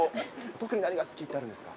特に何が好きってあるんですか？